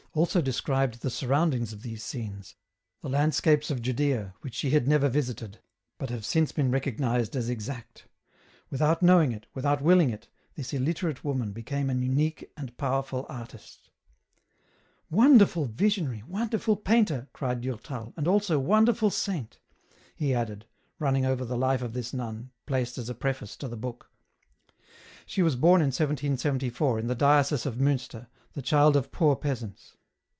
141 also described the surroundings of these scenes, the land scapes of Judaea, which she had never visited, but have since been recognized as exact ; without knowing it, without willing it, this illiterate woman became an unique and powerful artist. " Wonderful visionary, wonderful painter," cried Durtal, " and also wonderful saint," he added, running over the life of this nun, placed as a preface to the book. She was born in 1774, in the diocese of Munster, the child of poor peasants.